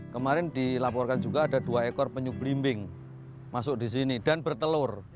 kemarin dilaporkan juga ada dua ekor penyu belimbing masuk di sini dan bertelur